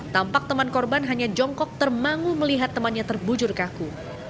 tampak teman korban hanya jongkok termangu melihat temannya terbujur kaku